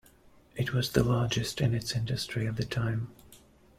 It was the largest in its industry at the time.